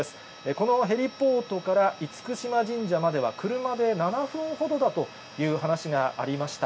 このヘリポートから厳島神社までは車で７分ほどだという話がありました。